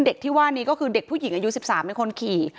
ที่ว่านี้ก็คือเด็กผู้หญิงอายุ๑๓เป็นคนขี่